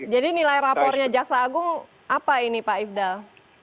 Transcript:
jadi nilai rapornya jaksa agung apa ini pak ipdal